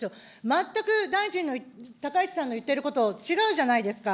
全く大臣の、高市さんの言ってること、違うじゃないですか。